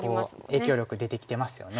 影響力出てきてますよね。